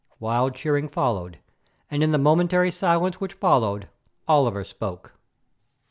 Wild cheering followed, and in the momentary silence which followed Oliver spoke.